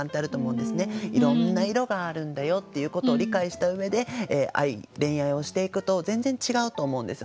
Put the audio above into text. いろんな色があるんだよっていうことを理解した上で愛恋愛をしていくと全然違うと思うんですよね。